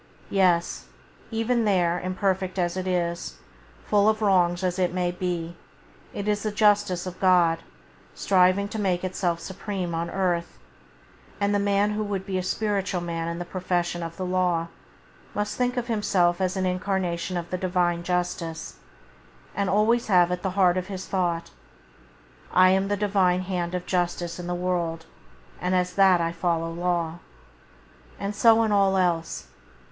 " Yes, even there, imperfect as it is, full of wrongs as it may be, it is the Justice of God striving to make itself supreme on earth; and the man who would be a spiritual man in the profession of the law must think of himself as an incarnation of the Divine Justice, and always have at the heart of his thought: " I am the Divine hand of Justice in the world and as that I follow law." And so in all else.